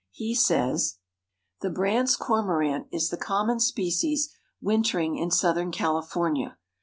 He says: "The Brandt's Cormorant is the common species wintering in Southern California.